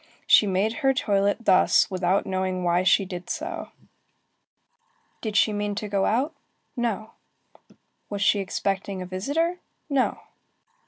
She made her toilet thus without knowing why she did so. Did she mean to go out? No. Was she expecting a visitor? No.